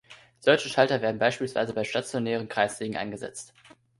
Solche Schalter werden beispielsweise bei stationären Kreissägen eingesetzt.